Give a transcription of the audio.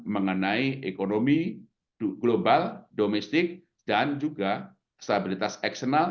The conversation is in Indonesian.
mengenai ekonomi global domestik dan juga stabilitas eksternal